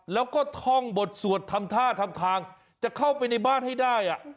แล้วก็ท่องบทสวดทำท่าทำทางจะเข้าไปในบ้านให้ได้